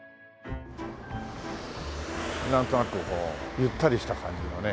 なんとなくゆったりした感じのね